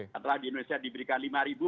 setelah di indonesia diberikan lima ribu